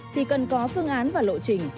thì cần có phương án và lộ trình